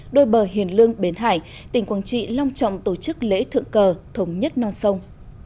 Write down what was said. đôi bờ hiền lương bến hải tỉnh quảng trị long trọng tổ chức lễ thượng cờ thống nhất non sông